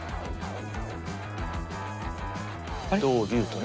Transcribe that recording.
同竜とね。